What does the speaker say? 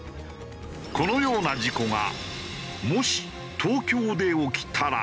このような事故がもし東京で起きたら？